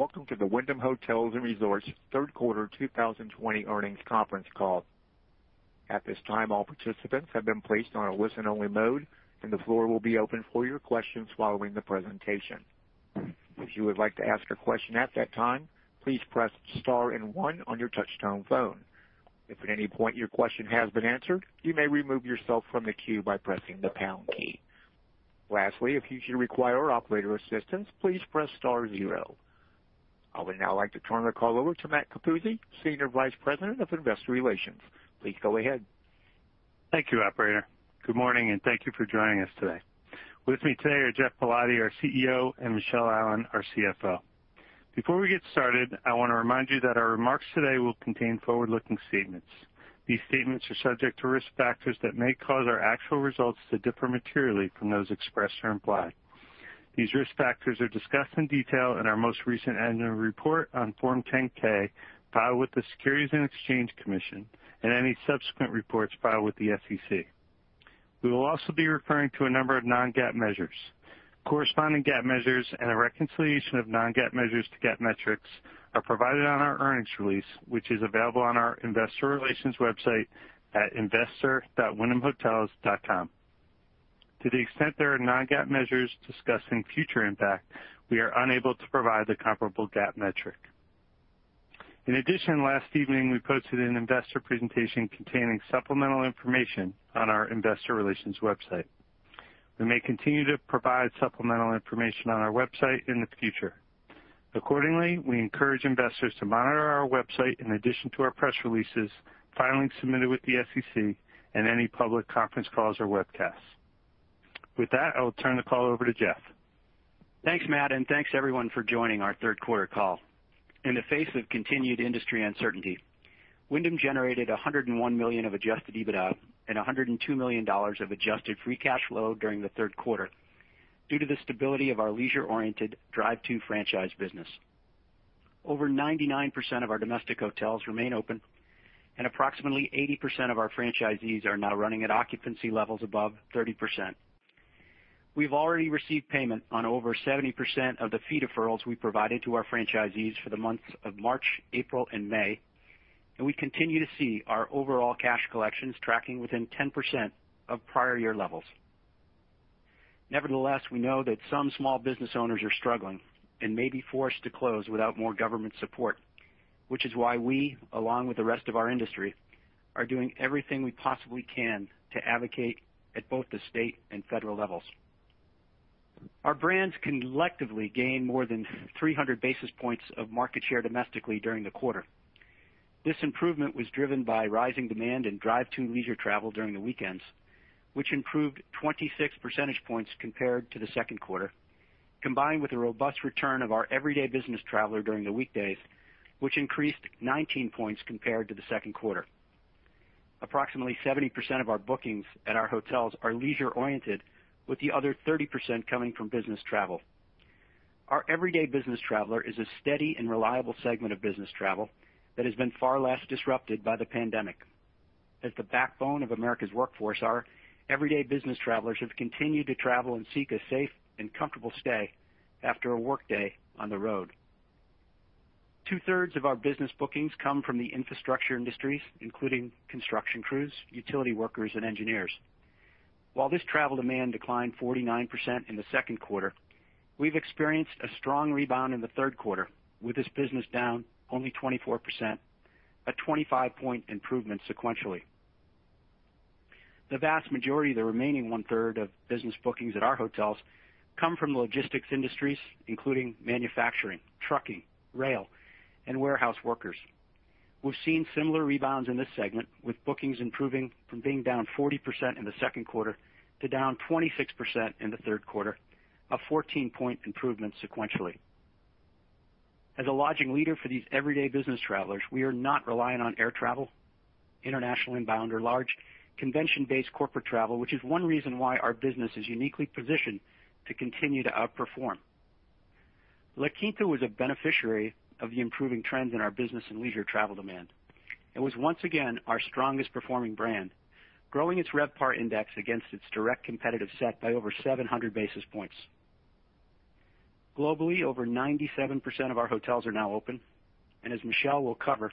Welcome to the Wyndham Hotels & Resorts Third Quarter 2020 earnings conference call. At this time, all participants have been placed on a listen-only mode, and the floor will be open for your questions following the presentation. If you would like to ask a question at that time, please press star and one on your touch-tone phone. If at any point your question has been answered, you may remove yourself from the queue by pressing the pound key. Lastly, if you should require operator assistance, please press star zero. I would now like to turn the call over to Matt Capuzzi, Senior Vice President of Investor Relations. Please go ahead. Thank you, Operator. Good morning, and thank you for joining us today. With me today are Geoff Ballotti, our CEO, and Michele Allen, our CFO. Before we get started, I want to remind you that our remarks today will contain forward-looking statements. These statements are subject to risk factors that may cause our actual results to differ materially from those expressed or implied. These risk factors are discussed in detail in our most recent annual report on Form 10-K, filed with the Securities and Exchange Commission, and any subsequent reports filed with the SEC. We will also be referring to a number of non-GAAP measures. Corresponding GAAP measures and a reconciliation of non-GAAP measures to GAAP metrics are provided on our earnings release, which is available on our Investor Relations website at investor.wyndhamhotels.com. To the extent there are non-GAAP measures discussing future impact, we are unable to provide the comparable GAAP metric. In addition, last evening we posted an investor presentation containing supplemental information on our Investor Relations website. We may continue to provide supplemental information on our website in the future. Accordingly, we encourage investors to monitor our website in addition to our press releases filed with the SEC and any public conference calls or webcasts. With that, I will turn the call over to Geoff. Thanks, Matt, and thanks everyone for joining our third quarter call. In the face of continued industry uncertainty, Wyndham generated $101 million of adjusted EBITDA and $102 million of adjusted free cash flow during the third quarter due to the stability of our leisure-oriented drive-through franchise business. Over 99% of our domestic hotels remain open, and approximately 80% of our franchisees are now running at occupancy levels above 30%. We've already received payment on over 70% of the fee deferrals we provided to our franchisees for the months of March, April, and May, and we continue to see our overall cash collections tracking within 10% of prior year levels. Nevertheless, we know that some small business owners are struggling and may be forced to close without more government support, which is why we, along with the rest of our industry, are doing everything we possibly can to advocate at both the state and federal levels. Our brands collectively gained more than 300 basis points of market share domestically during the quarter. This improvement was driven by rising demand and drive-through leisure travel during the weekends, which improved 26 percentage points compared to the second quarter, combined with a robust return of our everyday business traveler during the weekdays, which increased 19 points compared to the second quarter. Approximately 70% of our bookings at our hotels are leisure-oriented, with the other 30% coming from business travel. Our everyday business traveler is a steady and reliable segment of business travel that has been far less disrupted by the pandemic. As the backbone of America's workforce, our everyday business travelers have continued to travel and seek a safe and comfortable stay after a workday on the road. Two-thirds of our business bookings come from the infrastructure industries, including construction crews, utility workers, and engineers. While this travel demand declined 49% in the second quarter, we've experienced a strong rebound in the third quarter, with this business down only 24%, a 25-point improvement sequentially. The vast majority of the remaining one-third of business bookings at our hotels come from the logistics industries, including manufacturing, trucking, rail, and warehouse workers. We've seen similar rebounds in this segment, with bookings improving from being down 40% in the second quarter to down 26% in the third quarter, a 14-point improvement sequentially. As a lodging leader for these everyday business travelers, we are not relying on air travel, international inbound, or large convention-based corporate travel, which is one reason why our business is uniquely positioned to continue to outperform. La Quinta was a beneficiary of the improving trends in our business and leisure travel demand. It was once again our strongest-performing brand, growing its RevPAR index against its direct competitive set by over 700 basis points. Globally, over 97% of our hotels are now open, and as Michele will cover,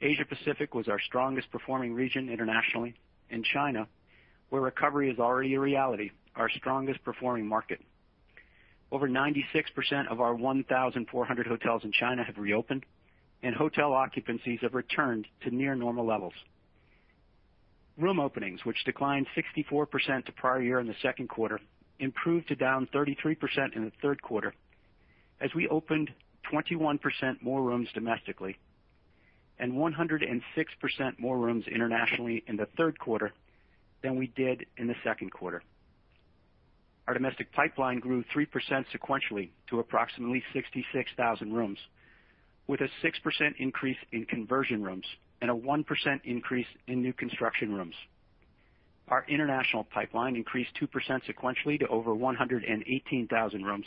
Asia-Pacific was our strongest-performing region internationally, and China, where recovery is already a reality, our strongest-performing market. Over 96% of our 1,400 hotels in China have reopened, and hotel occupancies have returned to near-normal levels. Room openings, which declined 64% to prior year in the second quarter, improved to down 33% in the third quarter as we opened 21% more rooms domestically and 106% more rooms internationally in the third quarter than we did in the second quarter. Our domestic pipeline grew 3% sequentially to approximately 66,000 rooms, with a 6% increase in conversion rooms and a 1% increase in new construction rooms. Our international pipeline increased 2% sequentially to over 118,000 rooms,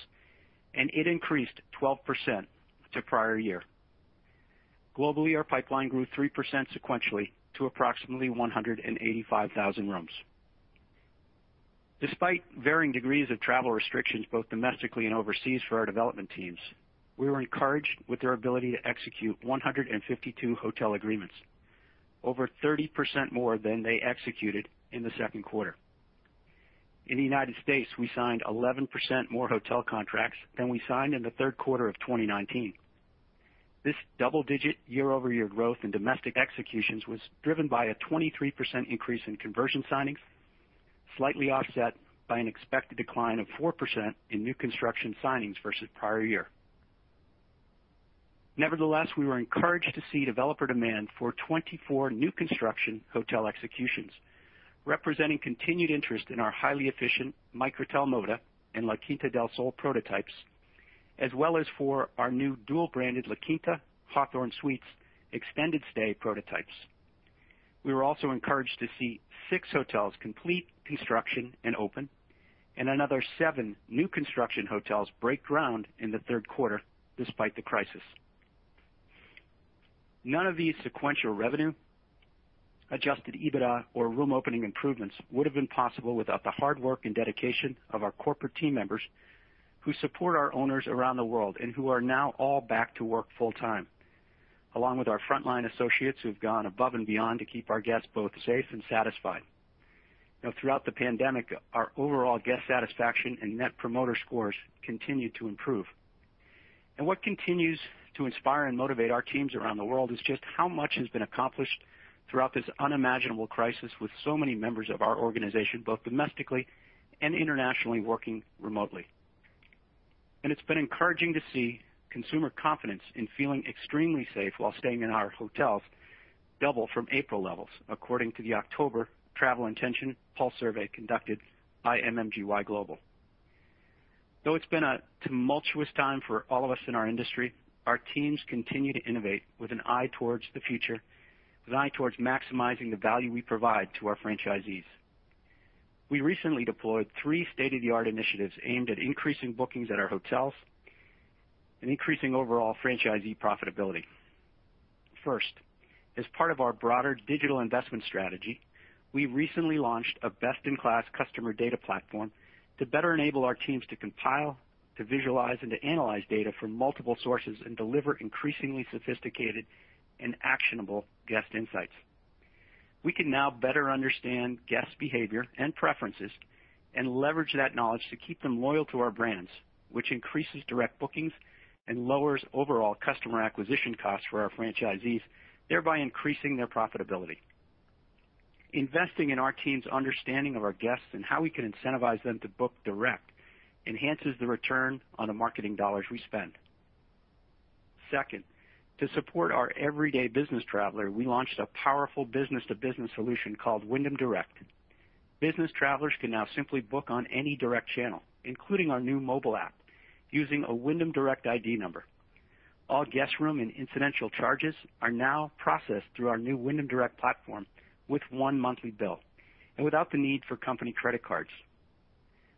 and it increased 12% to prior year. Globally, our pipeline grew 3% sequentially to approximately 185,000 rooms. Despite varying degrees of travel restrictions both domestically and overseas for our development teams, we were encouraged with their ability to execute 152 hotel agreements, over 30% more than they executed in the second quarter. In the United States, we signed 11% more hotel contracts than we signed in the third quarter of 2019. This double-digit year-over-year growth in domestic executions was driven by a 23% increase in conversion signings, slightly offset by an expected decline of 4% in new construction signings versus prior year. Nevertheless, we were encouraged to see developer demand for 24 new construction hotel executions, representing continued interest in our highly efficient Microtel Moda and La Quinta Del Sol prototypes, as well as for our new dual-branded La Quinta Hawthorn Suites extended stay prototypes. We were also encouraged to see six hotels complete construction and open, and another seven new construction hotels break ground in the third quarter despite the crisis. None of these sequential revenue, Adjusted EBITDA, or room-opening improvements would have been possible without the hard work and dedication of our corporate team members who support our owners around the world and who are now all back to work full-time, along with our frontline associates who have gone above and beyond to keep our guests both safe and satisfied. Throughout the pandemic, our overall guest satisfaction and Net Promoter Scores continued to improve. And what continues to inspire and motivate our teams around the world is just how much has been accomplished throughout this unimaginable crisis with so many members of our organization, both domestically and internationally, working remotely. And it's been encouraging to see consumer confidence in feeling extremely safe while staying in our hotels double from April levels, according to the October Travel Intention Pulse Survey conducted by MMGY Global. Though it's been a tumultuous time for all of us in our industry, our teams continue to innovate with an eye towards the future, an eye towards maximizing the value we provide to our franchisees. We recently deployed three state-of-the-art initiatives aimed at increasing bookings at our hotels and increasing overall franchisee profitability. First, as part of our broader digital investment strategy, we recently launched a best-in-class customer data platform to better enable our teams to compile, visualize, and analyze data from multiple sources and deliver increasingly sophisticated and actionable guest insights. We can now better understand guest behavior and preferences and leverage that knowledge to keep them loyal to our brands, which increases direct bookings and lowers overall customer acquisition costs for our franchisees, thereby increasing their profitability. Investing in our teams' understanding of our guests and how we can incentivize them to book direct enhances the return on the marketing dollars we spend. Second, to support our everyday business traveler, we launched a powerful business-to-business solution called Wyndham Direct. Business travelers can now simply book on any direct channel, including our new mobile app, using a Wyndham Direct ID number. All guest room and incidental charges are now processed through our new Wyndham Direct platform with one monthly bill and without the need for company credit cards.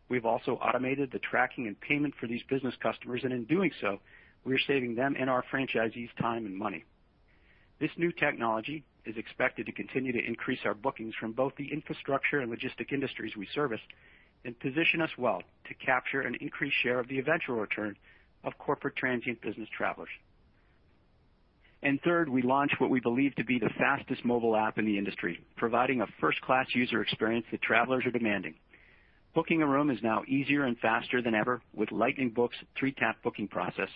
We've also automated the tracking and payment for these business customers, and in doing so, we're saving them and our franchisees time and money. This new technology is expected to continue to increase our bookings from both the infrastructure and logistic industries we service and position us well to capture an increased share of the eventual return of corporate transient business travelers. And third, we launched what we believe to be the fastest mobile app in the industry, providing a first-class user experience that travelers are demanding. Booking a room is now easier and faster than ever with Lightning Book's three-tap booking process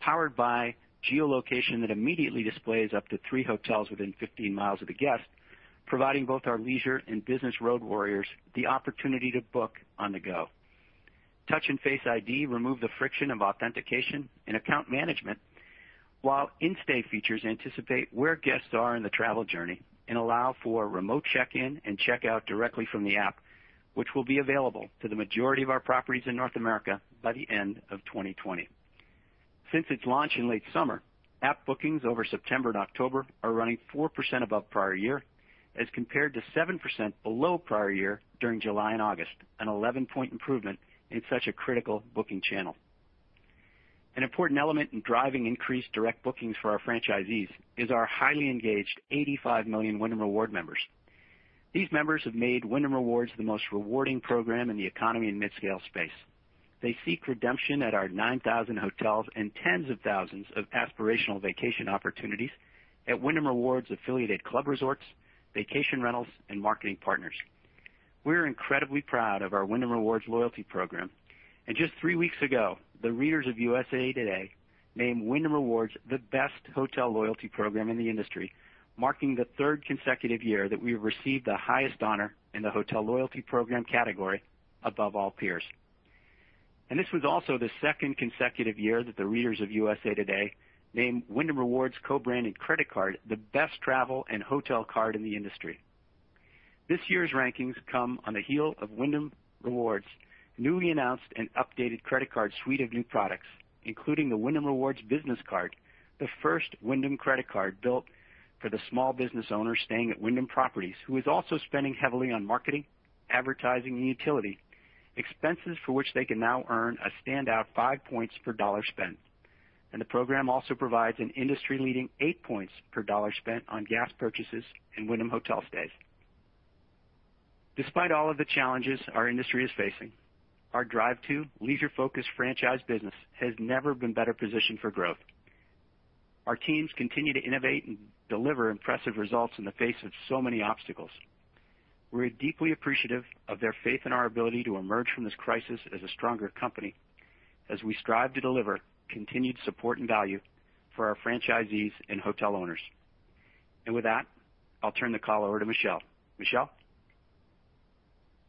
powered by geolocation that immediately displays up to three hotels within 15 miles of the guest, providing both our leisure and business road warriors the opportunity to book on the go. Touch ID and Face ID remove the friction of authentication and account management, while in-stay features anticipate where guests are in the travel journey and allow for remote check-in and check-out directly from the app, which will be available to the majority of our properties in North America by the end of 2020. Since its launch in late summer, app bookings over September and October are running 4% above prior year, as compared to 7% below prior year during July and August, an 11-point improvement in such a critical booking channel. An important element in driving increased direct bookings for our franchisees is our highly engaged 85 million Wyndham Rewards members. These members have made Wyndham Rewards the most rewarding program in the economy and mid-scale space. They seek redemption at our 9,000 hotels and tens of thousands of aspirational vacation opportunities at Wyndham Rewards-affiliated club resorts, vacation rentals, and marketing partners. We're incredibly proud of our Wyndham Rewards loyalty program, and just three weeks ago, the readers of USA TODAY named Wyndham Rewards the best hotel loyalty program in the industry, marking the third consecutive year that we have received the highest honor in the hotel loyalty program category above all peers, and this was also the second consecutive year that the readers of USA TODAY named Wyndham Rewards' co-branded credit card the best travel and hotel card in the industry. This year's rankings come on the heels of Wyndham Rewards' newly announced and updated credit card suite of new products, including the Wyndham Rewards Business Card, the first Wyndham credit card built for the small business owner staying at Wyndham properties, who is also spending heavily on marketing, advertising, and utility expenses, for which they can now earn a standout five points per dollar spent. And the program also provides an industry-leading eight points per dollar spent on gas purchases and Wyndham hotel stays. Despite all of the challenges our industry is facing, our drive-to leisure-focused franchise business has never been better positioned for growth. Our teams continue to innovate and deliver impressive results in the face of so many obstacles. We're deeply appreciative of their faith in our ability to emerge from this crisis as a stronger company as we strive to deliver continued support and value for our franchisees and hotel owners. With that, I'll turn the call over to Michele. Michele?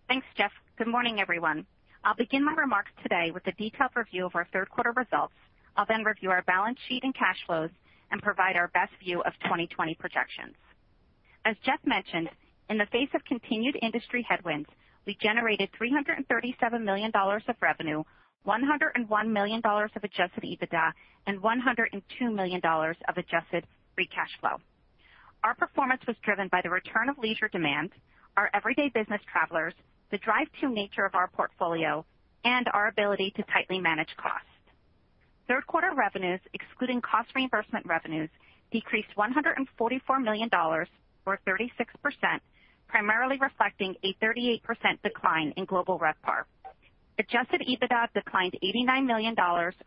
Thanks, Geoff. Good morning, everyone. I'll begin my remarks today with a detailed review of our third-quarter results. I'll then review our balance sheet and cash flows and provide our best view of 2020 projections. As Geoff mentioned, in the face of continued industry headwinds, we generated $337 million of revenue, $101 million of Adjusted EBITDA, and $102 million of adjusted free cash flow. Our performance was driven by the return of leisure demand, our everyday business travelers, the drive-through nature of our portfolio, and our ability to tightly manage costs. Third-quarter revenues, excluding cost reimbursement revenues, decreased $144 million, or 36%, primarily reflecting a 38% decline in global RevPAR. Adjusted EBITDA declined $89 million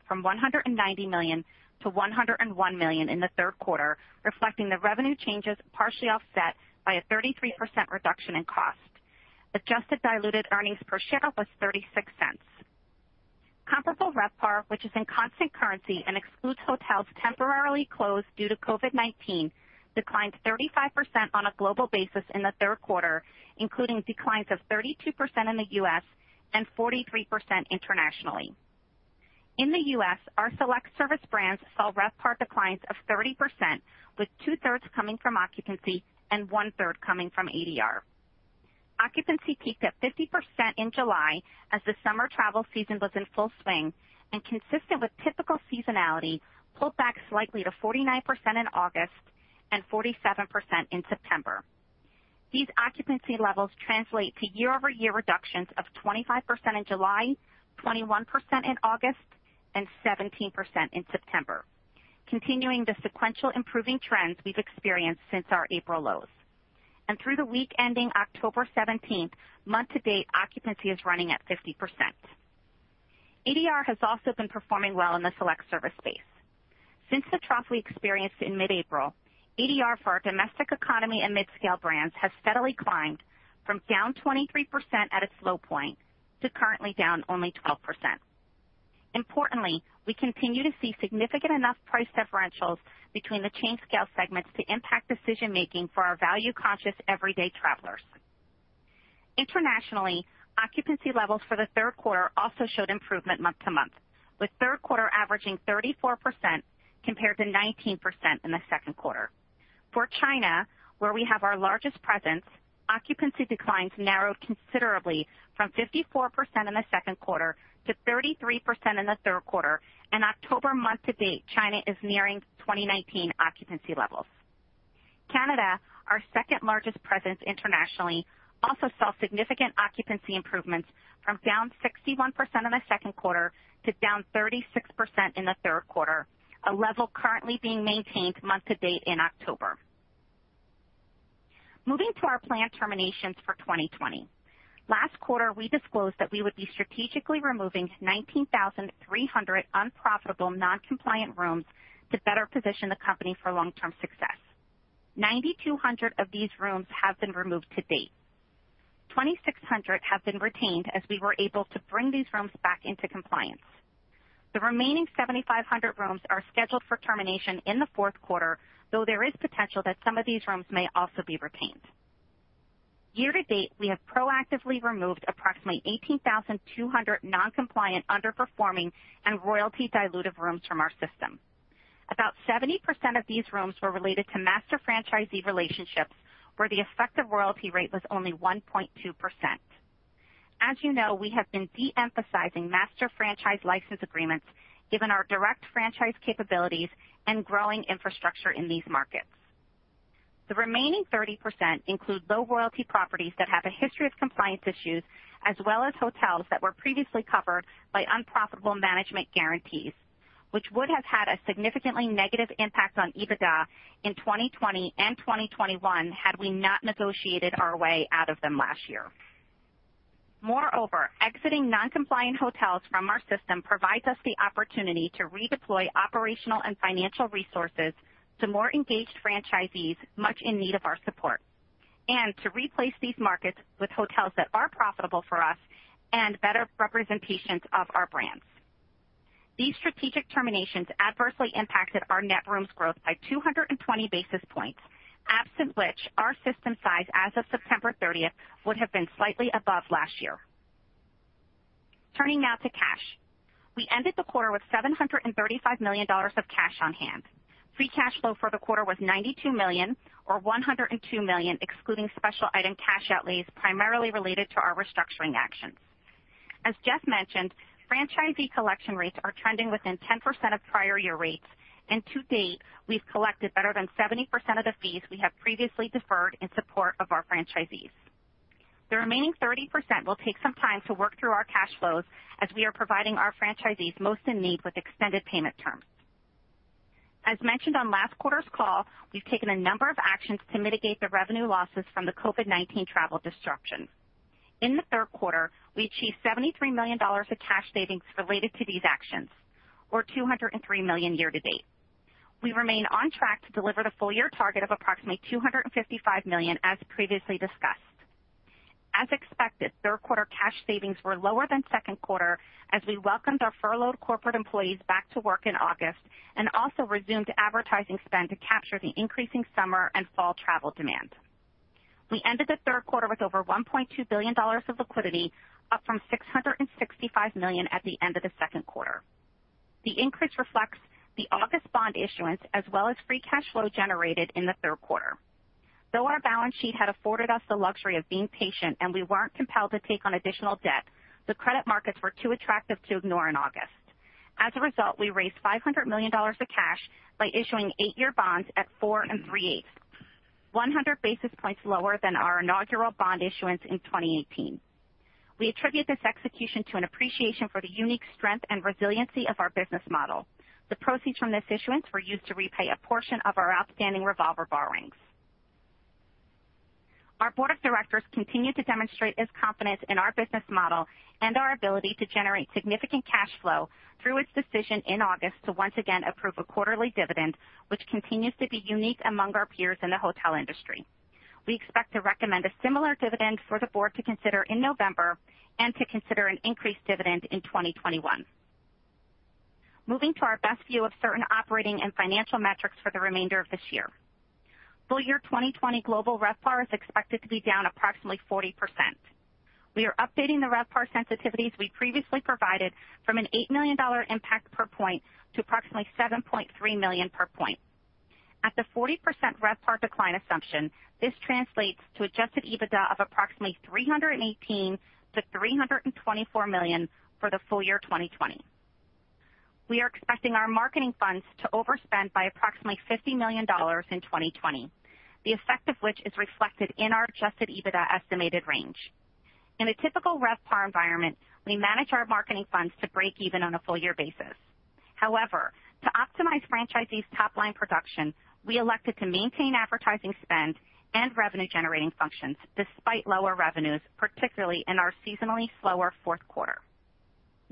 from $190 million to $101 million in the third quarter, reflecting the revenue changes partially offset by a 33% reduction in cost. Adjusted diluted earnings per share was $0.36. Comparable RevPAR, which is in constant currency and excludes hotels temporarily closed due to COVID-19, declined 35% on a global basis in the third quarter, including declines of 32% in the U.S. and 43% internationally. In the U.S., our select service brands saw RevPAR declines of 30%, with two-thirds coming from occupancy and one-third coming from ADR. Occupancy peaked at 50% in July as the summer travel season was in full swing, and consistent with typical seasonality, pullbacks likely to 49% in August and 47% in September. These occupancy levels translate to year-over-year reductions of 25% in July, 21% in August, and 17% in September, continuing the sequential improving trends we've experienced since our April lows. And through the week ending October 17, month-to-date, occupancy is running at 50%. ADR has also been performing well in the select service space. Since the trough we experienced in mid-April, ADR for our domestic economy and mid-scale brands has steadily climbed from down 23% at its low point to currently down only 12%. Importantly, we continue to see significant enough price differentials between the chain-scale segments to impact decision-making for our value-conscious everyday travelers. Internationally, occupancy levels for the third quarter also showed improvement month-to-month, with third quarter averaging 34% compared to 19% in the second quarter. For China, where we have our largest presence, occupancy declines narrowed considerably from 54% in the second quarter to 33% in the third quarter, and October month-to-date, China is nearing 2019 occupancy levels. Canada, our second-largest presence internationally, also saw significant occupancy improvements from down 61% in the second quarter to down 36% in the third quarter, a level currently being maintained month-to-date in October. Moving to our planned terminations for 2020. Last quarter, we disclosed that we would be strategically removing 19,300 unprofitable, non-compliant rooms to better position the company for long-term success. 9,200 of these rooms have been removed to date. 2,600 have been retained as we were able to bring these rooms back into compliance. The remaining 7,500 rooms are scheduled for termination in the fourth quarter, though there is potential that some of these rooms may also be retained. Year-to-date, we have proactively removed approximately 18,200 non-compliant, underperforming, and royalty-dilutive rooms from our system. About 70% of these rooms were related to master franchisee relationships, where the effective royalty rate was only 1.2%. As you know, we have been de-emphasizing master franchise license agreements given our direct franchise capabilities and growing infrastructure in these markets. The remaining 30% include low-royalty properties that have a history of compliance issues, as well as hotels that were previously covered by unprofitable management guarantees, which would have had a significantly negative impact on EBITDA in 2020 and 2021 had we not negotiated our way out of them last year. Moreover, exiting non-compliant hotels from our system provides us the opportunity to redeploy operational and financial resources to more engaged franchisees much in need of our support and to replace these markets with hotels that are profitable for us and better representations of our brands. These strategic terminations adversely impacted our net rooms growth by 220 basis points, absent which our system size as of September 30 would have been slightly above last year. Turning now to cash. We ended the quarter with $735 million of cash on hand. Free cash flow for the quarter was $92 million, or $102 million excluding special item cash outlays primarily related to our restructuring actions. As Geoff mentioned, franchisee collection rates are trending within 10% of prior year rates, and to date, we've collected better than 70% of the fees we have previously deferred in support of our franchisees. The remaining 30% will take some time to work through our cash flows as we are providing our franchisees most in need with extended payment terms. As mentioned on last quarter's call, we've taken a number of actions to mitigate the revenue losses from the COVID-19 travel disruption. In the third quarter, we achieved $73 million of cash savings related to these actions, or $203 million year-to-date. We remain on track to deliver the full-year target of approximately $255 million, as previously discussed. As expected, third-quarter cash savings were lower than second quarter as we welcomed our furloughed corporate employees back to work in August and also resumed advertising spend to capture the increasing summer and fall travel demand. We ended the third quarter with over $1.2 billion of liquidity, up from $665 million at the end of the second quarter. The increase reflects the August bond issuance as well as free cash flow generated in the third quarter. Though our balance sheet had afforded us the luxury of being patient and we weren't compelled to take on additional debt, the credit markets were too attractive to ignore in August. As a result, we raised $500 million of cash by issuing eight-year bonds at 4.375%, 100 basis points lower than our inaugural bond issuance in 2018. We attribute this execution to an appreciation for the unique strength and resiliency of our business model. The proceeds from this issuance were used to repay a portion of our outstanding revolver borrowings. Our board of directors continued to demonstrate its confidence in our business model and our ability to generate significant cash flow through its decision in August to once again approve a quarterly dividend, which continues to be unique among our peers in the hotel industry. We expect to recommend a similar dividend for the board to consider in November and to consider an increased dividend in 2021. Moving to our best view of certain operating and financial metrics for the remainder of this year. Full-year 2020 global RevPAR is expected to be down approximately 40%. We are updating the RevPAR sensitivities we previously provided from an $8 million impact per point to approximately $7.3 million per point. At the 40% RevPAR decline assumption, this translates to adjusted EBITDA of approximately $318-$324 million for the full year 2020. We are expecting our marketing funds to overspend by approximately $50 million in 2020, the effect of which is reflected in our Adjusted EBITDA estimated range. In a typical RevPAR environment, we manage our marketing funds to break even on a full-year basis. However, to optimize franchisees' top-line production, we elected to maintain advertising spend and revenue-generating functions despite lower revenues, particularly in our seasonally slower fourth quarter.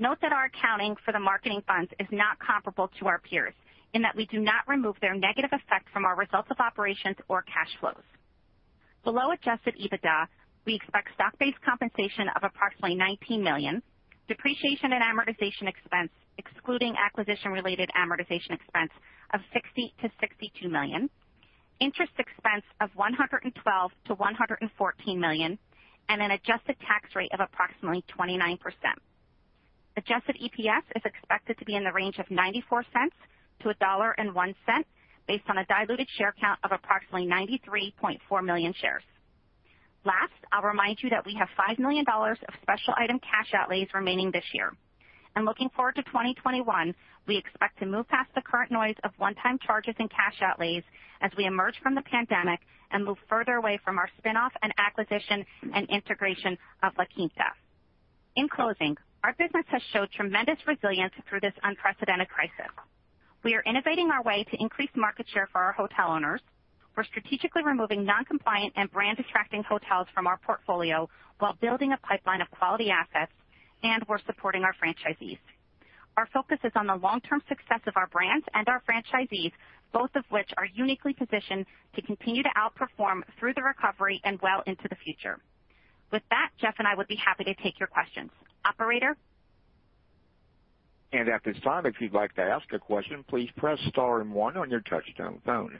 Note that our accounting for the marketing funds is not comparable to our peers in that we do not remove their negative effect from our results of operations or cash flows. Below Adjusted EBITDA, we expect stock-based compensation of approximately $19 million, depreciation and amortization expense, excluding acquisition-related amortization expense, of $60-$62 million, interest expense of $112-$114 million, and an adjusted tax rate of approximately 29%. Adjusted EPS is expected to be in the range of $0.94 to $1.01 based on a diluted share count of approximately 93.4 million shares. Last, I'll remind you that we have $5 million of special item cash outlays remaining this year and looking forward to 2021, we expect to move past the current noise of one-time charges and cash outlays as we emerge from the pandemic and move further away from our spinoff and acquisition and integration of La Quinta. In closing, our business has showed tremendous resilience through this unprecedented crisis. We are innovating our way to increase market share for our hotel owners. We're strategically removing non-compliant and brand-distracting hotels from our portfolio while building a pipeline of quality assets, and we're supporting our franchisees. Our focus is on the long-term success of our brands and our franchisees, both of which are uniquely positioned to continue to outperform through the recovery and well into the future. With that, Geoff and I would be happy to take your questions. Operator? And at this time, if you'd like to ask a question, please press star and one on your touch-tone phone.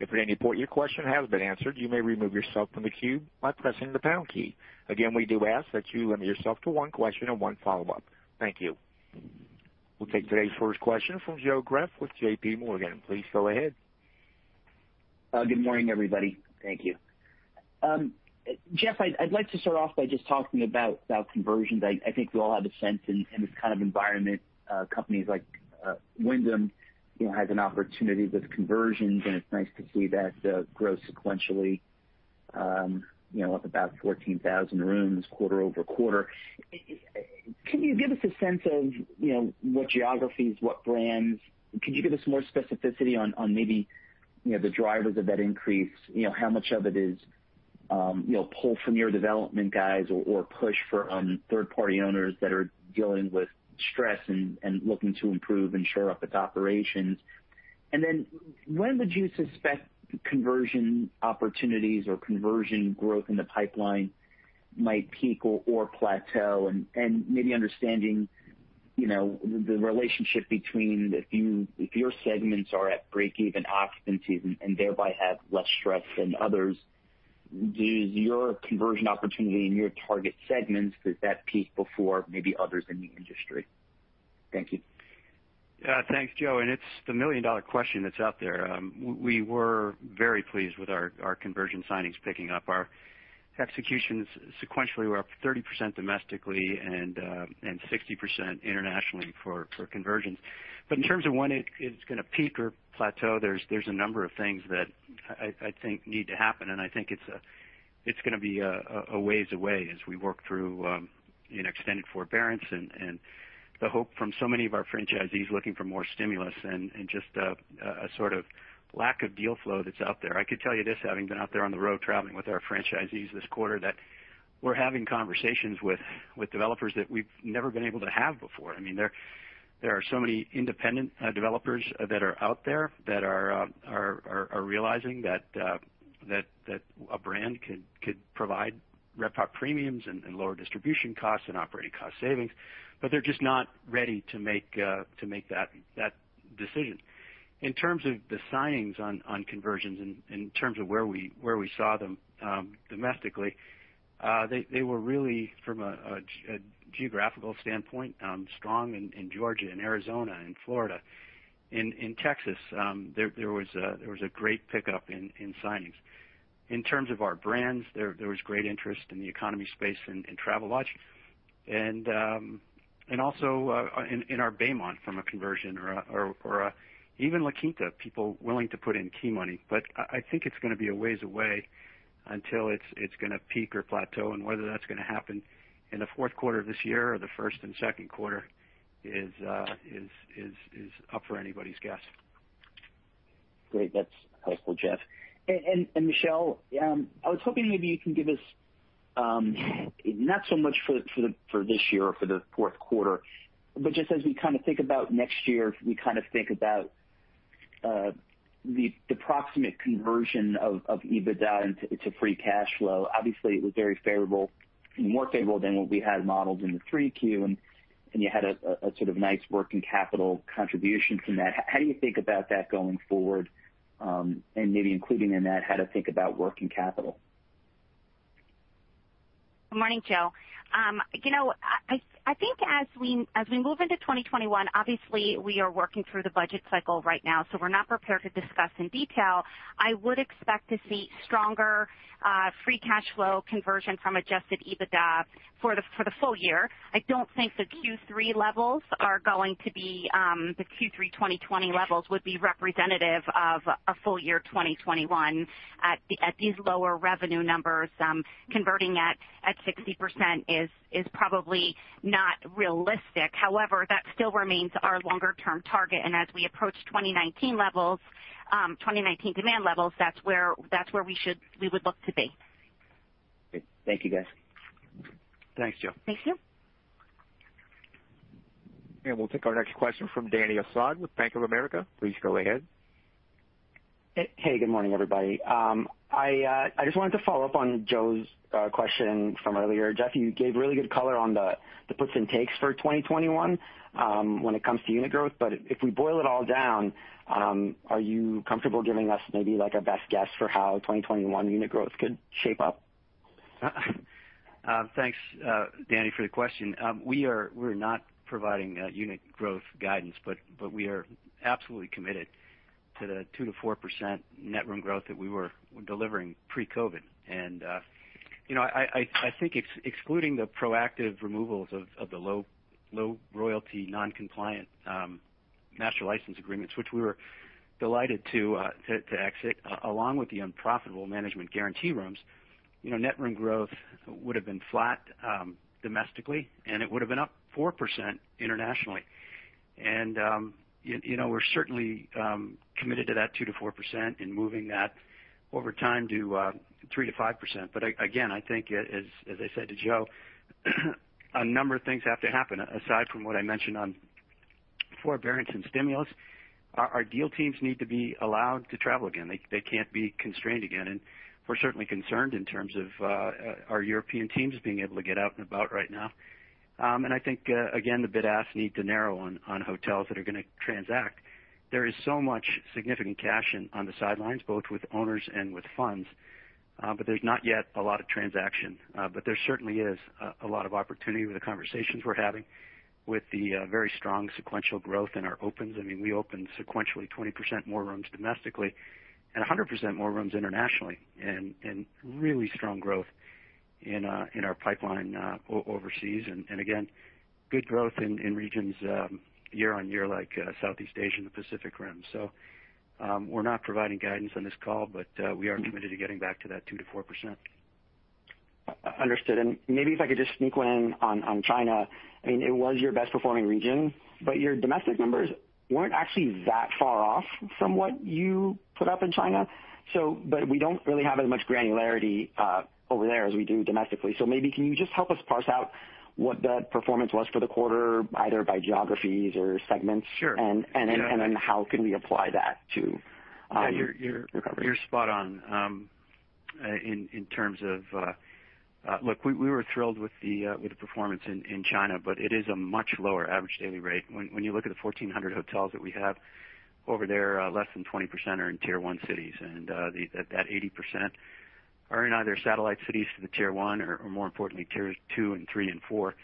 If at any point your question has been answered, you may remove yourself from the queue by pressing the pound key. Again, we do ask that you limit yourself to one question and one follow-up. Thank you. We'll take today's first question from Joe Greff with J.P. Morgan. Please go ahead. Good morning, everybody. Thank you. Geoff, I'd like to start off by just talking about conversions. I think we all have a sense in this kind of environment, companies like Wyndham has an opportunity with conversions, and it's nice to see that grow sequentially of about 14,000 rooms quarter over quarter. Can you give us a sense of what geographies, what brands? Could you give us more specificity on maybe the drivers of that increase? How much of it is pull from your development guys or push from third-party owners that are dealing with stress and looking to improve and shore up its operations? And then when would you suspect conversion opportunities or conversion growth in the pipeline might peak or plateau? And maybe understanding the relationship between if your segments are at break-even occupancies and thereby have less stress than others, does your conversion opportunity in your target segments that peak before maybe others in the industry? Thank you. Thanks, Joe. It's the million-dollar question that's out there. We were very pleased with our conversion signings picking up. Our executions sequentially were up 30% domestically and 60% internationally for conversions. But in terms of when it's going to peak or plateau, there's a number of things that I think need to happen, and I think it's going to be a ways away as we work through extended forbearance and the hope from so many of our franchisees looking for more stimulus and just a sort of lack of deal flow that's out there. I could tell you this, having been out there on the road traveling with our franchisees this quarter, that we're having conversations with developers that we've never been able to have before. I mean, there are so many independent developers that are out there that are realizing that a brand could provide RevPAR premiums and lower distribution costs and operating cost savings, but they're just not ready to make that decision. In terms of the signings on conversions and in terms of where we saw them domestically, they were really, from a geographical standpoint, strong in Georgia and Arizona and Florida. In Texas, there was a great pickup in signings. In terms of our brands, there was great interest in the economy space and Travelodge, and also in our Baymont from a conversion or even La Quinta, people willing to put in key money. But I think it's going to be a ways away until it's going to peak or plateau, and whether that's going to happen in the fourth quarter of this year or the first and second quarter is up for anybody's guess. Great. That's helpful, Geoff. And Michele, I was hoping maybe you can give us not so much for this year or for the fourth quarter, but just as we kind of think about next year, we kind of think about the proximate conversion of EBITDA into free cash flow. Obviously, it was very favorable, more favorable than what we had modeled in the 3Q, and you had a sort of nice working capital contribution from that. How do you think about that going forward? And maybe including in that, how to think about working capital? Good morning, Joe. You know, I think as we move into 2021, obviously, we are working through the budget cycle right now, so we're not prepared to discuss in detail. I would expect to see stronger free cash flow conversion from Adjusted EBITDA for the full year. I don't think the Q3 levels are going to be. The Q3 2020 levels would be representative of a full year 2021 at these lower revenue numbers. Converting at 60% is probably not realistic. However, that still remains our longer-term target, and as we approach 2019 demand levels, that's where we would look to be. Thank you, guys. Thanks, Joe. Thank you. And we'll take our next question from Dany Asad with Bank of America. Please go ahead. Hey, good morning, everybody. I just wanted to follow up on Joe's question from earlier. Jeff, you gave really good color on the puts and takes for 2021 when it comes to unit growth, but if we boil it all down, are you comfortable giving us maybe a best guess for how 2021 unit growth could shape up? Thanks, Dany, for the question. We are not providing unit growth guidance, but we are absolutely committed to the 2%-4% net room growth that we were delivering pre-COVID. And I think excluding the proactive removals of the low royalty, non-compliant master license agreements, which we were delighted to exit, along with the unprofitable management guarantee rooms, net room growth would have been flat domestically, and it would have been up 4% internationally. And we're certainly committed to that 2%-4% and moving that over time to 3%-5%. But again, I think, as I said to Joe, a number of things have to happen. Aside from what I mentioned on forbearance and stimulus, our deal teams need to be allowed to travel again. They can't be constrained again. And we're certainly concerned in terms of our European teams being able to get out and about right now. And I think, again, the bid-ask need to narrow on hotels that are going to transact. There is so much significant cash on the sidelines, both with owners and with funds, but there's not yet a lot of transaction. But there certainly is a lot of opportunity with the conversations we're having with the very strong sequential growth in our opens. I mean, we opened sequentially 20% more rooms domestically and 100% more rooms internationally, and really strong growth in our pipeline overseas. And again, good growth in regions year-on-year like Southeast Asia and the Pacific Rim. So we're not providing guidance on this call, but we are committed to getting back to that 2%-4%. Understood. And maybe if I could just sneak one in on China. I mean, it was your best-performing region, but your domestic numbers weren't actually that far off from what you put up in China. But we don't really have as much granularity over there as we do domestically. So maybe can you just help us parse out what that performance was for the quarter, either by geographies or segments? Sure. And then how can we apply that to recovery? You're spot on in terms of look, we were thrilled with the performance in China, but it is a much lower average daily rate. When you look at the 1,400 hotels that we have, over there, less than 20% are in tier one cities. And that 80% are in either satellite cities to the tier one or, more importantly, tier two and three and four,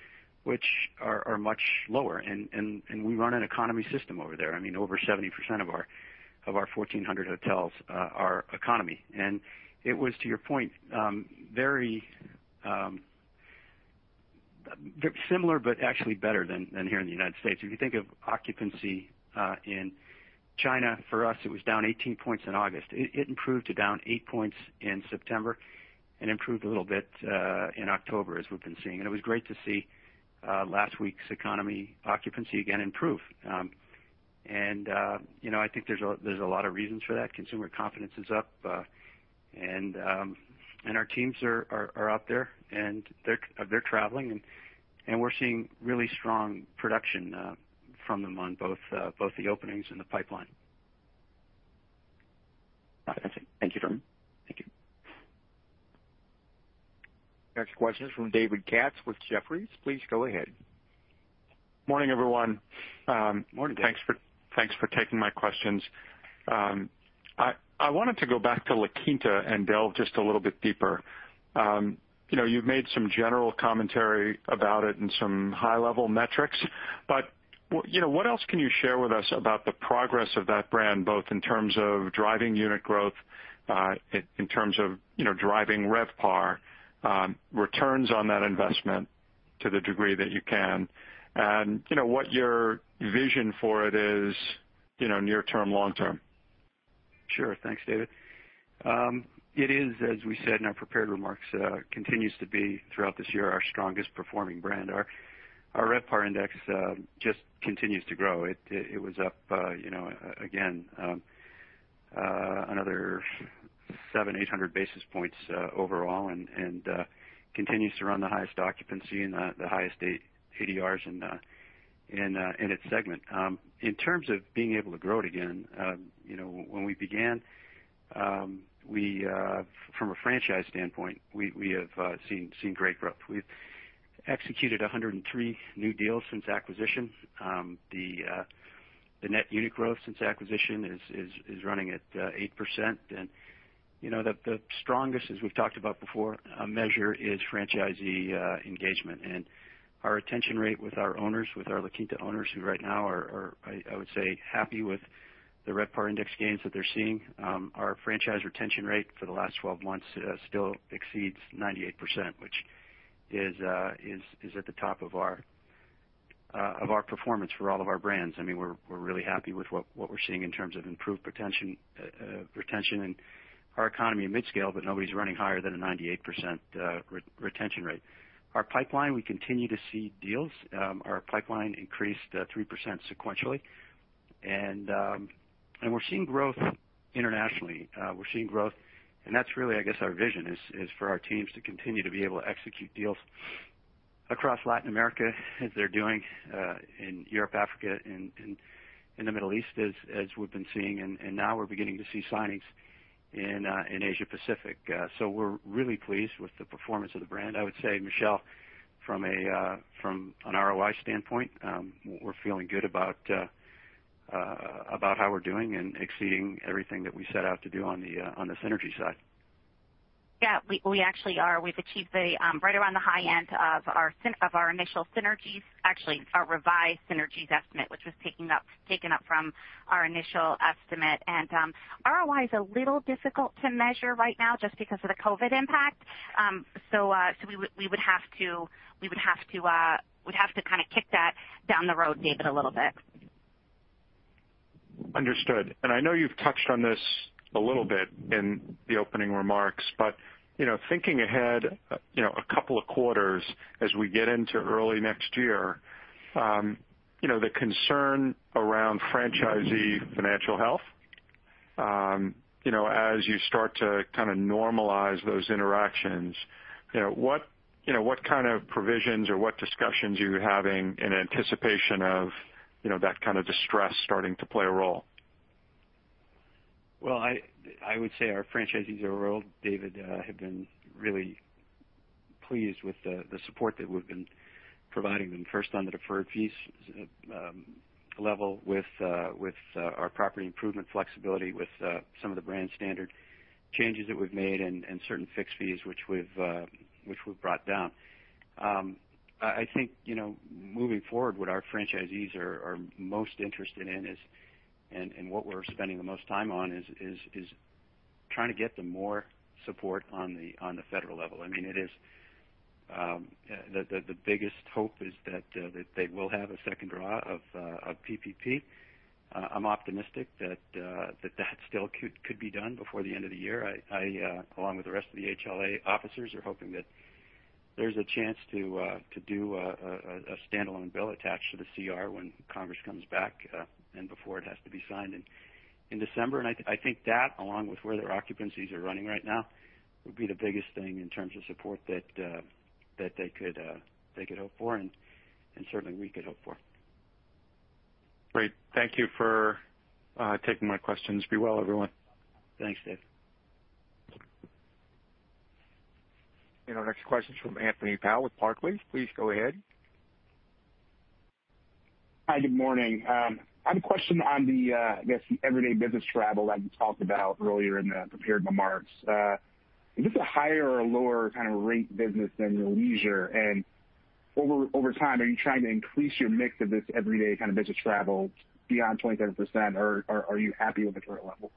which are much lower. And we run an economy system over there. I mean, over 70% of our 1,400 hotels are economy. And it was, to your point, very similar but actually better than here in the United States. If you think of occupancy in China, for us, it was down 18 points in August. It improved to down 8 points in September and improved a little bit in October, as we've been seeing. And it was great to see last week's economy occupancy again improve. And I think there's a lot of reasons for that. Consumer confidence is up, and our teams are out there, and they're traveling, and we're seeing really strong production from them on both the openings and the pipeline. Thank you, Jerome. Thank you. Next question is from David Katz with Jefferies. Please go ahead. Morning, everyone. Morning, Jeff. Thanks for taking my questions. I wanted to go back to La Quinta and delve just a little bit deeper. You've made some general commentary about it and some high-level metrics, but what else can you share with us about the progress of that brand, both in terms of driving unit growth, in terms of driving RevPAR, returns on that investment to the degree that you can, and what your vision for it is near term, long term? Sure. Thanks, David. It is, as we said in our prepared remarks, continues to be, throughout this year, our strongest-performing brand. Our RevPAR index just continues to grow. It was up, again, another 700-800 basis points overall and continues to run the highest occupancy and the highest ADRs in its segment. In terms of being able to grow it again, when we began, from a franchise standpoint, we have seen great growth. We've executed 103 new deals since acquisition. The net unit growth since acquisition is running at 8%. The strongest, as we've talked about before, measure is franchisee engagement. Our retention rate with our owners, with our La Quinta owners, who right now are, I would say, happy with the RevPAR index gains that they're seeing, our franchise retention rate for the last 12 months still exceeds 98%, which is at the top of our performance for all of our brands. I mean, we're really happy with what we're seeing in terms of improved retention in our economy at mid-scale, but nobody's running higher than a 98% retention rate. Our pipeline, we continue to see deals. Our pipeline increased 3% sequentially. And we're seeing growth internationally. We're seeing growth. And that's really, I guess, our vision is for our teams to continue to be able to execute deals across Latin America, as they're doing in Europe, Africa, and the Middle East, as we've been seeing. And now we're beginning to see signings in Asia-Pacific. So we're really pleased with the performance of the brand. I would say, Michele, from an ROI standpoint, we're feeling good about how we're doing and exceeding everything that we set out to do on the synergy side. Yeah, we actually are. We've achieved right around the high end of our initial synergies, actually our revised synergies estimate, which was taken up from our initial estimate. And ROI is a little difficult to measure right now just because of the COVID impact. So we would have to kind of kick that down the road, David, a little bit. Understood. And I know you've touched on this a little bit in the opening remarks, but thinking ahead a couple of quarters as we get into early next year, the concern around franchisee financial health, as you start to kind of normalize those interactions, what kind of provisions or what discussions are you having in anticipation of that kind of distress starting to play a role? I would say our franchisees overall, David, have been really pleased with the support that we've been providing them, first on the deferred fees level with our property improvement flexibility, with some of the brand standard changes that we've made, and certain fixed fees which we've brought down. I think moving forward, what our franchisees are most interested in and what we're spending the most time on is trying to get them more support on the federal level. I mean, the biggest hope is that they will have a second draw of PPP. I'm optimistic that that still could be done before the end of the year. I, along with the rest of the HLA officers, are hoping that there's a chance to do a standalone bill attached to the CR when Congress comes back and before it has to be signed in December. And I think that, along with where their occupancies are running right now, would be the biggest thing in terms of support that they could hope for and certainly we could hope for. Great. Thank you for taking my questions. Be well, everyone. Thanks, Dave. Next question is from Anthony Powell with Barclays. Please go ahead. Hi, good morning. I have a question on the everyday business travel that you talked about earlier in the prepared remarks. Is this a higher or lower kind of rate business than your leisure? And over time, are you trying to increase your mix of this everyday kind of business travel beyond 27%, or are you happy with the current level?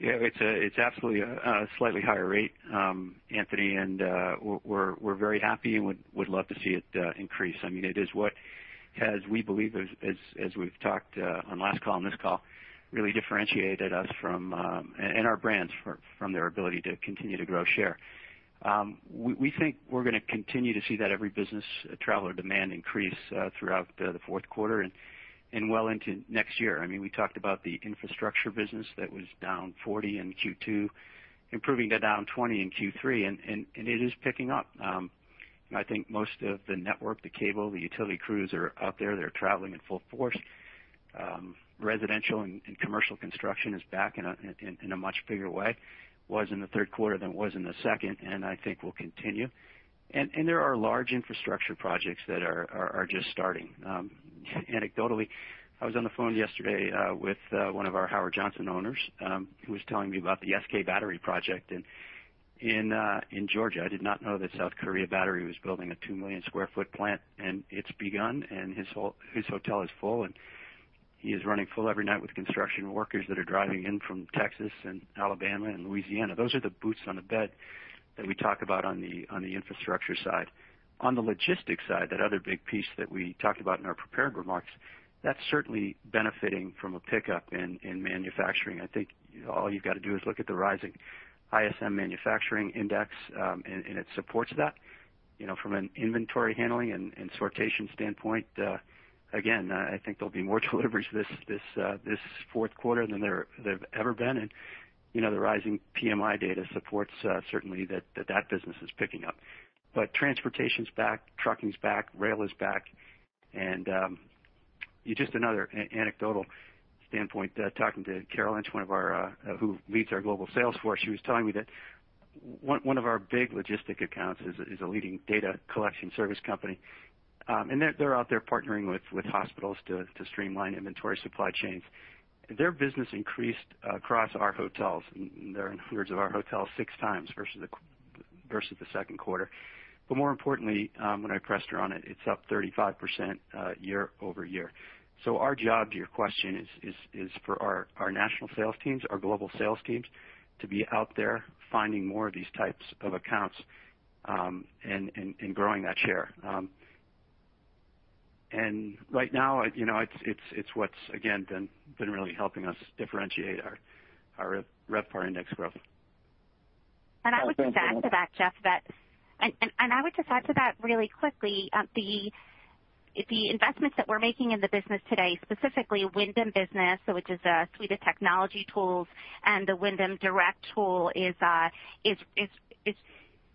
Yeah, it's absolutely a slightly higher rate, Anthony, and we're very happy and would love to see it increase. I mean, it is what has, we believe, as we've talked on last call and this call, really differentiated us and our brands from their ability to continue to grow share. We think we're going to continue to see that every business traveler demand increase throughout the fourth quarter and well into next year. I mean, we talked about the infrastructure business that was down 40% in Q2, improving to down 20% in Q3, and it is picking up. I think most of the network, the cable, the utility crews are out there. They're traveling in full force. Residential and commercial construction is back in a much bigger way, was in the third quarter than it was in the second, and I think will continue. There are large infrastructure projects that are just starting. Anecdotally, I was on the phone yesterday with one of our Howard Johnson owners who was telling me about the SK Battery project in Georgia. I did not know that South Korea Battery was building a 2 million sq ft plant, and it's begun, and his hotel is full, and he is running full every night with construction workers that are driving in from Texas and Alabama and Louisiana. Those are the boots on the bed that we talk about on the infrastructure side. On the logistics side, that other big piece that we talked about in our prepared remarks, that's certainly benefiting from a pickup in manufacturing. I think all you've got to do is look at the rising ISM Manufacturing Index, and it supports that. From an inventory handling and sortation standpoint, again, I think there'll be more deliveries this fourth quarter than there have ever been. The rising PMI data supports certainly that that business is picking up. But transportation's back, trucking's back, rail is back. And just another anecdotal standpoint, talking to Carolyn, who leads our global sales force, she was telling me that one of our big logistic accounts is a leading data collection service company. And they're out there partnering with hospitals to streamline inventory supply chains. Their business increased across our hotels. They're in hundreds of our hotels six times versus the second quarter. But more importantly, when I pressed her on it, it's up 35% year over year. So our job, to your question, is for our national sales teams, our global sales teams, to be out there finding more of these types of accounts and growing that share. And right now, it's what's, again, been really helping us differentiate our RevPAR Index growth. I would just add to that, Jeff, really quickly, the investments that we're making in the business today, specifically Wyndham Business, which is a suite of technology tools, and the Wyndham Direct tool is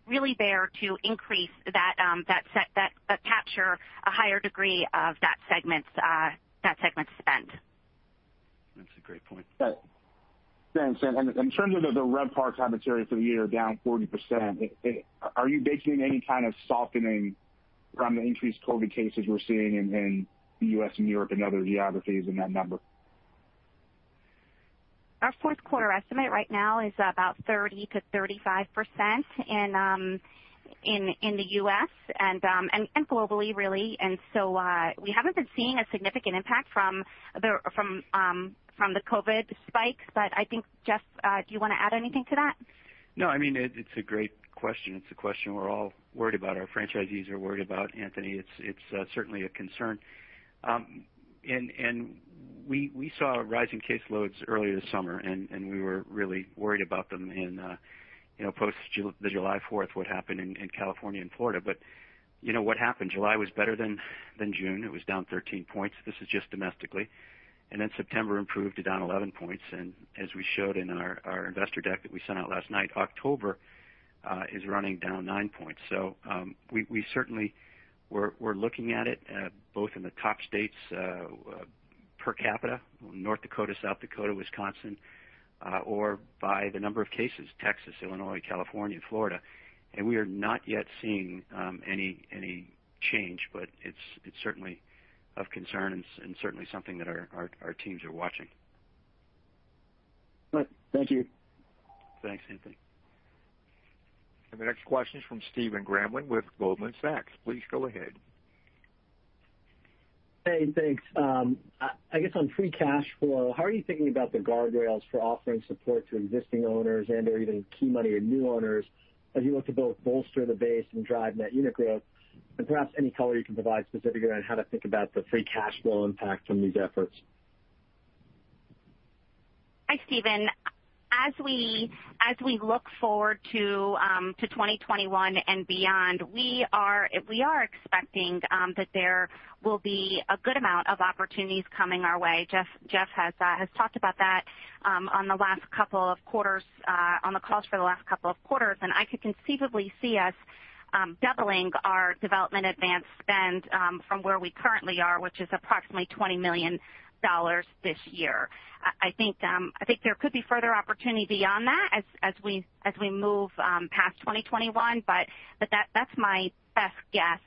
really there to increase that, capture a higher degree of that segment's spend. That's a great point. Thanks. In terms of the RevPAR commentary for the year, down 40%, are you basing any kind of softening from the increased COVID cases we're seeing in the U.S. and Europe and other geographies in that number? Our fourth quarter estimate right now is about 30%-35% in the U.S. and globally, really. We haven't been seeing a significant impact from the COVID spikes, but I think, Jeff, do you want to add anything to that? No, I mean, it's a great question. It's a question we're all worried about. Our franchisees are worried about, Anthony. It's certainly a concern. And we saw rising caseloads earlier this summer, and we were really worried about them post the July 4th, what happened in California and Florida. But what happened? July was better than June. It was down 13 points. This is just domestically. And then September improved to down 11 points. And as we showed in our investor deck that we sent out last night, October is running down 9 points. So we certainly were looking at it both in the top states per capita, North Dakota, South Dakota, Wisconsin, or by the number of cases, Texas, Illinois, California, Florida. And we are not yet seeing any change, but it's certainly of concern and certainly something that our teams are watching. All right. Thank you. Thanks, Anthony. And the next question is from Stephen Grambling with Goldman Sachs. Please go ahead. Hey, thanks. I guess on free cash flow, how are you thinking about the guardrails for offering support to existing owners and/or even key money and new owners as you look to both bolster the base and drive net unit growth? And perhaps any color you can provide specifically on how to think about the free cash flow impact from these efforts. Hi, Stephen. As we look forward to 2021 and beyond, we are expecting that there will be a good amount of opportunities coming our way. Geoff has talked about that on the last couple of quarters, on the calls for the last couple of quarters. And I could conceivably see us doubling our development advance spend from where we currently are, which is approximately $20 million this year. I think there could be further opportunity beyond that as we move past 2021, but that's my best guess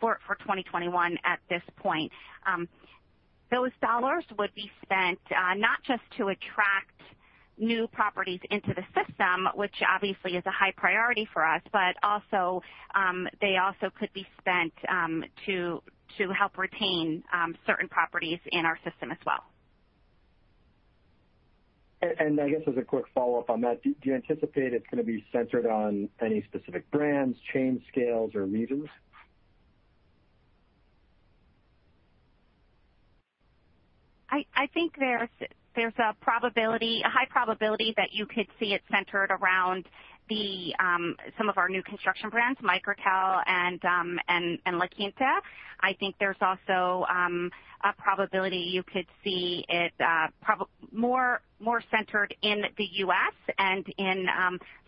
for 2021 at this point. Those dollars would be spent not just to attract new properties into the system, which obviously is a high priority for us, but they also could be spent to help retain certain properties in our system as well. And I guess as a quick follow-up on that, do you anticipate it's going to be centered on any specific brands, chain scales, or leases? I think there's a high probability that you could see it centered around some of our new construction brands, Microtel and La Quinta. I think there's also a probability you could see it more centered in the U.S. and in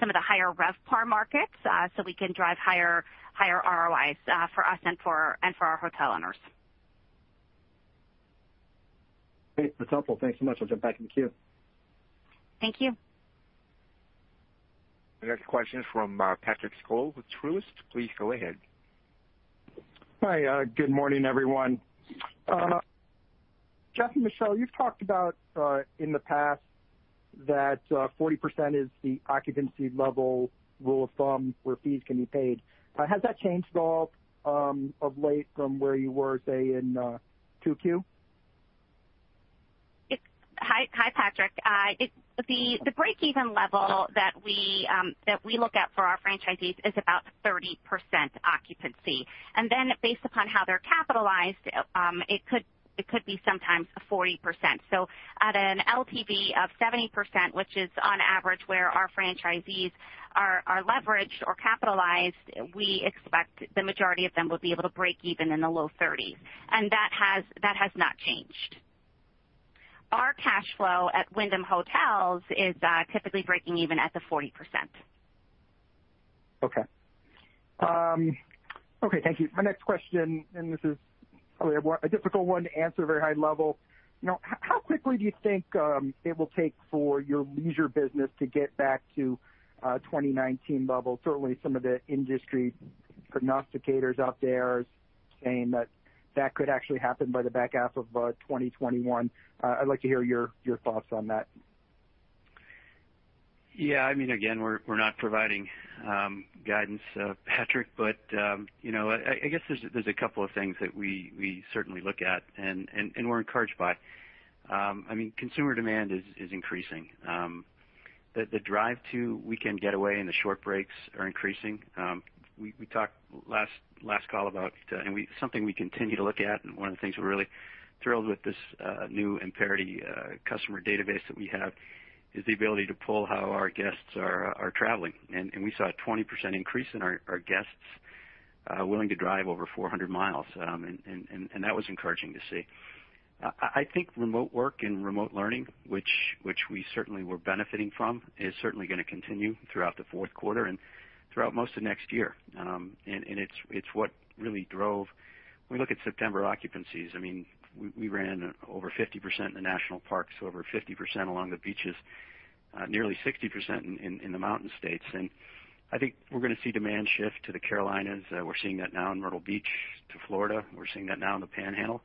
some of the higher RevPAR markets so we can drive higher ROIs for us and for our hotel owners. Okay, that's helpful. Thanks so much. I'll jump back in the queue. Thank you. And the next question is from Patrick Scholes with Truist Securities. Please go ahead. Hi, good morning, everyone. Geoff and Michele, you've talked about in the past that 40% is the occupancy level rule of thumb where fees can be paid. Has that changed at all of late from where you were, say, in Q2? Hi, Patrick. The break-even level that we look at for our franchisees is about 30% occupancy. And then based upon how they're capitalized, it could be sometimes 40%. So at an LTV of 70%, which is on average where our franchisees are leveraged or capitalized, we expect the majority of them will be able to break even in the low 30s. And that has not changed. Our cash flow at Wyndham Hotels is typically breaking even at the 40%. Okay. Okay, thank you. My next question, and this is probably a difficult one to answer at a very high level. How quickly do you think it will take for your leisure business to get back to 2019 level? Certainly, some of the industry prognosticators out there are saying that that could actually happen by the back half of 2021. I'd like to hear your thoughts on that. Yeah, I mean, again, we're not providing guidance, Patrick, but I guess there's a couple of things that we certainly look at and we're encouraged by. I mean, consumer demand is increasing. The drive to weekend getaway and the short breaks are increasing. We talked last call about something we continue to look at, and one of the things we're really thrilled with this new Amperity customer database that we have is the ability to pull how our guests are traveling. We saw a 20% increase in our guests willing to drive over 400 miles, and that was encouraging to see. I think remote work and remote learning, which we certainly were benefiting from, is certainly going to continue throughout the fourth quarter and throughout most of next year. It's what really drove when we look at September occupancies. I mean, we ran over 50% in the national parks, over 50% along the beaches, nearly 60% in the mountain states. I think we're going to see demand shift to the Carolinas. We're seeing that now in Myrtle Beach to Florida. We're seeing that now in the Panhandle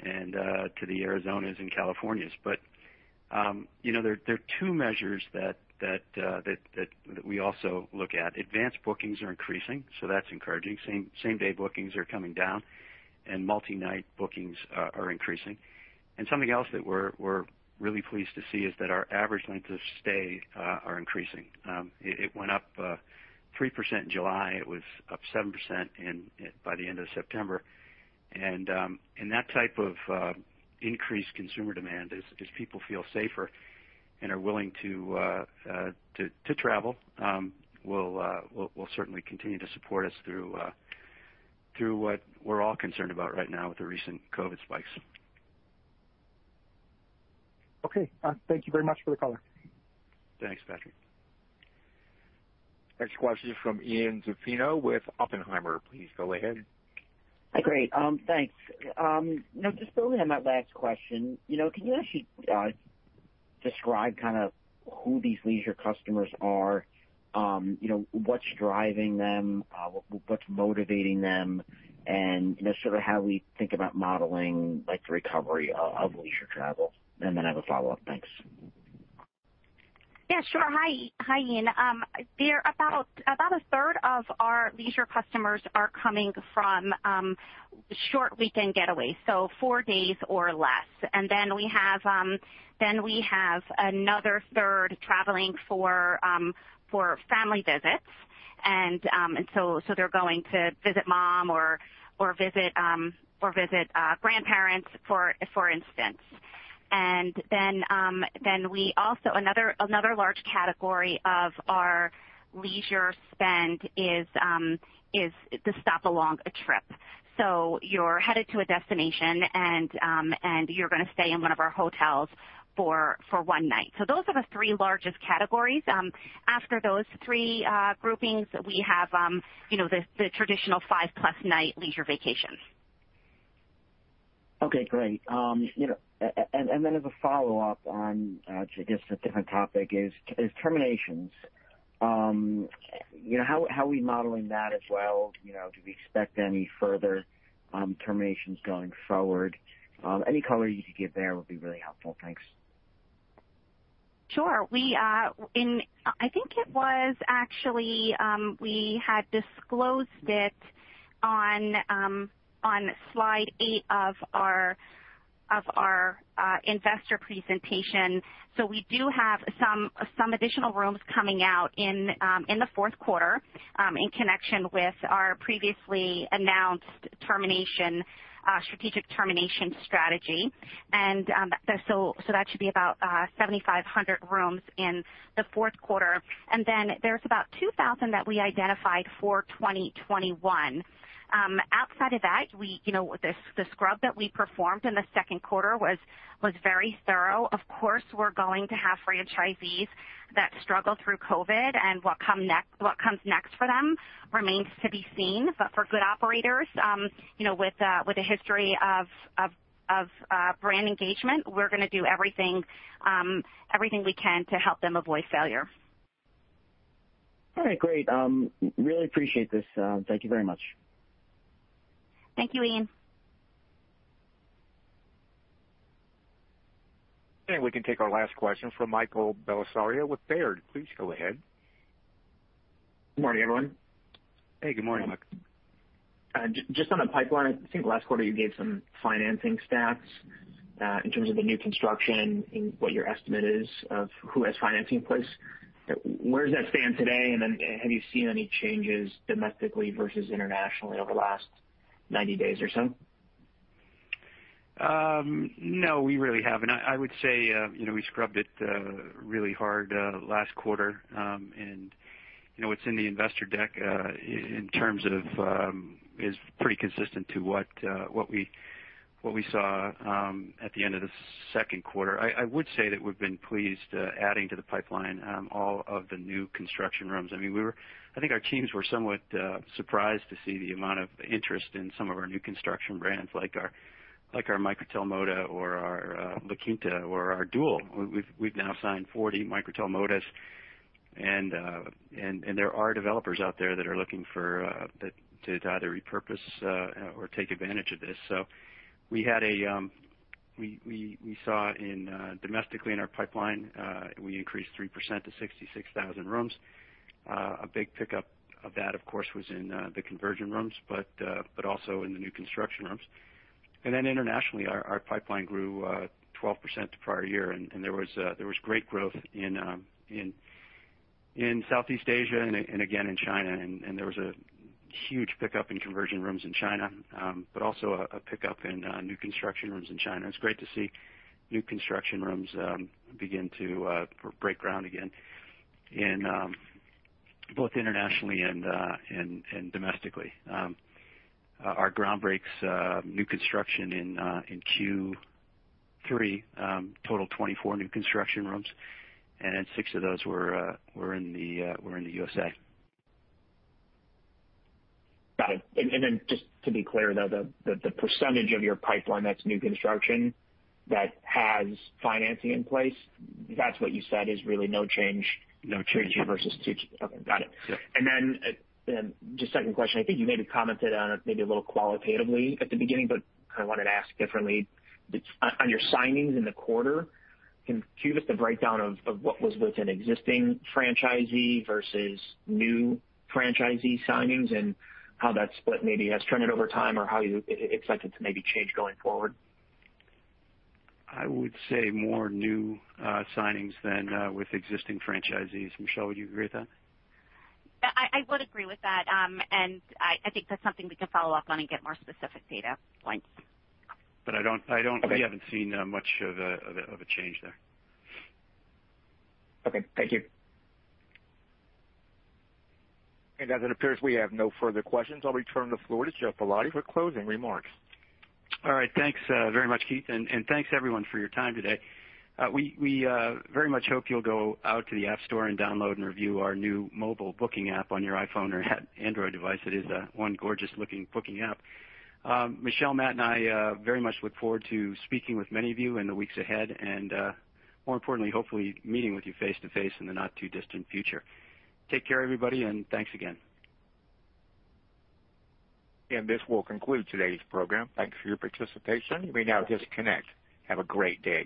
and to the Arizonas and Californias. But there are two measures that we also look at. Advance bookings are increasing, so that's encouraging. Same-day bookings are coming down, and multi-night bookings are increasing. Something else that we're really pleased to see is that our average length of stay is increasing. It went up 3% in July. It was up 7% by the end of September. And that type of increased consumer demand is people feel safer and are willing to travel will certainly continue to support us through what we're all concerned about right now with the recent COVID spikes. Okay. Thank you very much for the call. Thanks, Patrick. Next question is from Ian Zaffino with Oppenheimer. Please go ahead. Hi, Geoff. Thanks. Just building on that last question, can you actually describe kind of who these leisure customers are, what's driving them, what's motivating them, and sort of how we think about modeling the recovery of leisure travel? And then I have a follow-up. Thanks. Yeah, sure. Hi, Ian. About a third of our leisure customers are coming from short weekend getaways, so four days or less. And then we have another third traveling for family visits. And so they're going to visit mom or visit grandparents, for instance. And then we also have another large category of our leisure spend is the stop-along trip. So you're headed to a destination, and you're going to stay in one of our hotels for one night. So those are the three largest categories. After those three groupings, we have the traditional five-plus-night leisure vacation. Okay, great. And then as a follow-up on, I guess, a different topic is terminations. How are we modeling that as well? Do we expect any further terminations going forward? Any color you could give there would be really helpful. Thanks. Sure. I think it was actually we had disclosed it on slide eight of our investor presentation. So we do have some additional rooms coming out in the fourth quarter in connection with our previously announced strategic termination strategy. And so that should be about 7,500 rooms in the fourth quarter. And then there's about 2,000 that we identified for 2021. Outside of that, the scrub that we performed in the second quarter was very thorough. Of course, we're going to have franchisees that struggle through COVID, and what comes next for them remains to be seen. But for good operators, with a history of brand engagement, we're going to do everything we can to help them avoid failure. All right, great. Really appreciate this. Thank you very much. Thank you, Ian. And we can take our last question from Michael Bellisario with Baird. Please go ahead. Good morning, everyone. Hey, good morning, Mike. Just on the pipeline, I think last quarter you gave some financing stats in terms of the new construction and what your estimate is of who has financing in place. Where does that stand today? And then have you seen any changes domestically versus internationally over the last 90 days or so? No, we really haven't. I would say we scrubbed it really hard last quarter. And what's in the investor deck in terms of is pretty consistent to what we saw at the end of the second quarter. I would say that we've been pleased adding to the pipeline all of the new construction rooms. I mean, I think our teams were somewhat surprised to see the amount of interest in some of our new construction brands like our Microtel Moda or our La Quinta or our Del Sol. We've now signed 40 Microtel Modas. There are developers out there that are looking to either repurpose or take advantage of this. So we saw domestically in our pipeline, we increased 3% to 66,000 rooms. A big pickup of that, of course, was in the conversion rooms, but also in the new construction rooms. And then internationally, our pipeline grew 12% the prior year. And there was great growth in Southeast Asia and again in China. And there was a huge pickup in conversion rooms in China, but also a pickup in new construction rooms in China. It's great to see new construction rooms begin to break ground again both internationally and domestically. Our groundbreaks new construction in Q3 totaled 24 new construction rooms, and six of those were in the USA. Got it. And then just to be clear, though, the percentage of your pipeline that's new construction that has financing in place, that's what you said is really no change versus two? No change. Okay. Got it. And then just second question, I think you maybe commented on it maybe a little qualitatively at the beginning, but kind of wanted to ask differently. On your signings in the quarter, can you give us the breakdown of what was with an existing franchisee versus new franchisee signings and how that split maybe has trended over time or how you expect it to maybe change going forward? I would say more new signings than with existing franchisees. Michele, would you agree with that? I would agree with that. And I think that's something we can follow up on and get more specific data points. But I haven't seen much of a change there. Okay. Thank you. And as it appears, we have no further questions. I'll return the floor to Geoff Ballotti for closing remarks. All right. Thanks very much, Keith. And thanks, everyone, for your time today. We very much hope you'll go out to the App Store and download and review our new mobile booking app on your iPhone or Android device. It is one gorgeous-looking booking app. Michele, Matt, and I very much look forward to speaking with many of you in the weeks ahead and, more importantly, hopefully meeting with you face-to-face in the not-too-distant future. Take care, everybody, and thanks again. And this will conclude today's program. Thanks for your participation. You may now disconnect. Have a great day.